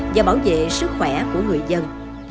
và bảo vệ sức khỏe của người dân